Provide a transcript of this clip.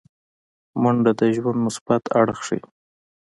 منډه د ژوند مثبت اړخ ښيي